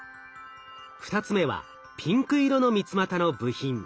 ２つ目はピンク色の三つまたの部品。